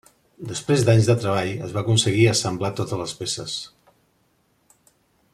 Després d'anys de treball es va aconseguir assemblar totes les peces.